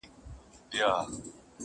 یوه ورځ پاچا وو غلی ورغلی.!